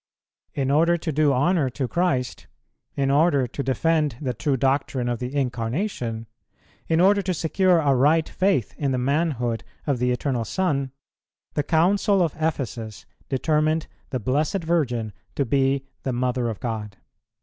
In order to do honour to Christ, in order to defend the true doctrine of the Incarnation, in order to secure a right faith in the manhood of the Eternal Son, the Council of Ephesus determined the Blessed Virgin to be the Mother of God.